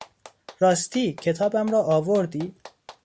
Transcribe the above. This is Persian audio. راستی، کتابم را آوردی؟